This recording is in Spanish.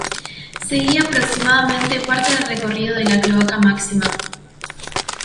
Seguía aproximadamente parte del recorrido de la Cloaca Máxima.